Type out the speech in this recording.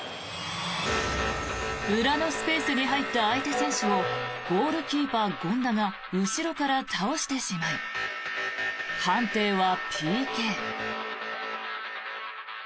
裏のスペースに入った相手選手をゴールキーパー、権田が後ろから倒してしまい判定はＰＫ。